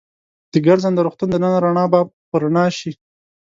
د ګرځنده روغتون دننه رڼا به په رڼا شي.